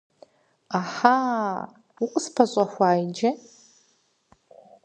Ӏэхьа, укъыспэщӀэхуа иджы!